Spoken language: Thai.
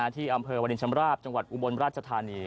ที่อำเภอวรินชำราบจังหวัดอุบลราชธานี